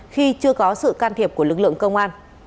khi chưa có sự can thiệp của lực lượng công an